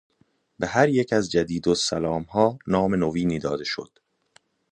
به هریک از جدیدالسلامها نام نوینی داده شد.